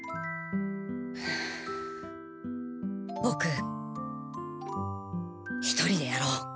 ボク一人でやろう。